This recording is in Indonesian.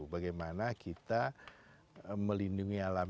bagaimana kita melindungi alam